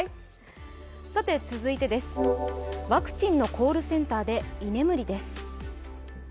続いて、ワクチンのコールセンターで居眠りです。